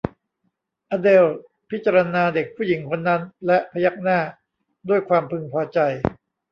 อเดลล์พิจารณาเด็กผู้หญิงคนนั้นและพยักหน้าด้วยความพึงพอใจ